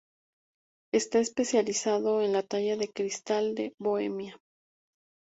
Está especializado en la talla de cristal de Bohemia.